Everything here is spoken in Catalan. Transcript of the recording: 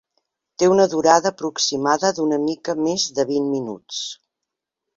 Té una durada aproximada d'una mica més de vint minuts.